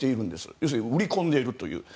要するに売り込んでいる。